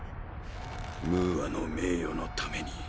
ムーアの名誉のために。